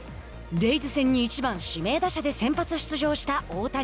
レイズ戦に１番指名打者で先発出場した大谷。